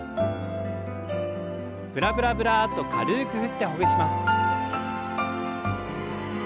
ブラブラブラッと軽く振ってほぐします。